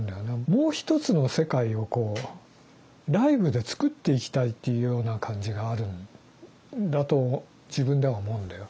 もう一つの世界をこうライブで作っていきたいっていうような感じがあるんだと自分では思うんだよ。